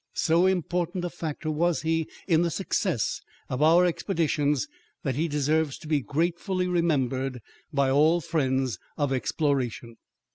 So important a factor was he in the success of our expeditions that he deserves to be gratefully remembered by all friends of exploration.